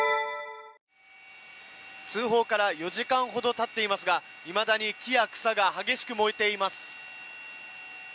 通報から４時間ほどたっていますがいまだに木や草が激しく燃えています。